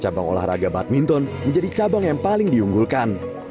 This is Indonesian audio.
cabang olahraga badminton menjadi cabang yang paling diunggulkan